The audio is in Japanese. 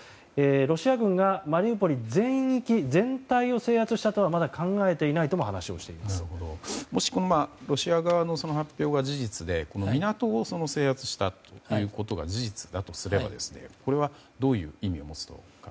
ロシア軍がマリウポリ全域、全体を制圧したとはまだ考えていないともし、ロシア側の発表が事実で港を制圧したということが事実だとすればこれはどういう意味を持つとお考えですか？